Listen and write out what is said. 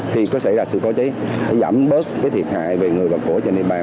khi có xảy ra sự cố chế để giảm bớt thiệt hại về người và cổ trên địa bàn